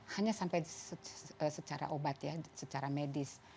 hanya sampai secara obat ya secara medis